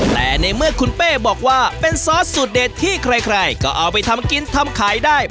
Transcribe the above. แต่ในเมื่อคุณเป้บอกว่าเป็นซอสสูตรเด็ดที่ใครก็เอาไปทำกินทำขายได้